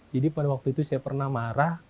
jadi pada waktu itu saya pernah marah